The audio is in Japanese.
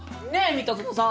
三田園さん。